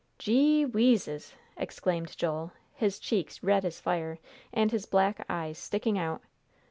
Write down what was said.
"Gee wheezes!" exclaimed Joel, his cheeks red as fire, and his black eyes sticking out.